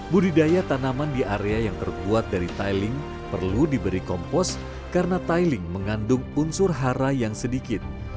budidaya tanaman di area yang terbuat dari tiling perlu diberi kompos karena tiling mengandung unsur hara yang sedikit